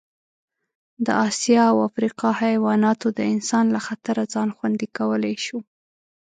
د اسیا او افریقا حیواناتو د انسان له خطره ځان خوندي کولی شو.